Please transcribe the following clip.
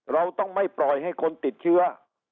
เราต้องไม่ปล่อยให้คนติดเชื้อ